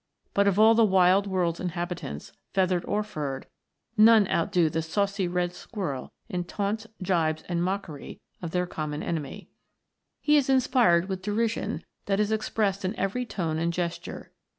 But of all the wild world's inhabitants, feathered or furred, none outdo the saucy red squirrel in taunts, gibes, and mockery of their common enemy. He is inspired with derision that is expressed in every tone and gesture.